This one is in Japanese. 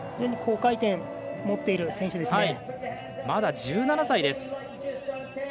まだ１７歳です。